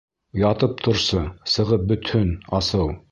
Ятып торсо — сығып бөтһөн асыу.